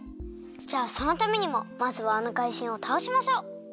じゃあそのためにもまずはあのかいじんをたおしましょう！